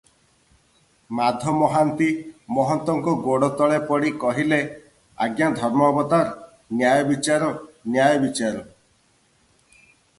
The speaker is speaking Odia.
ମାଧ ମହାନ୍ତି ମହନ୍ତଙ୍କ ଗୋଡ଼ତଳେ ପଡ଼ି କହିଲେ, "ଆଜ୍ଞା ଧର୍ମ ଅବତାର! ନ୍ୟାୟବିଚାର, ନ୍ୟାୟ ବିଚାର ।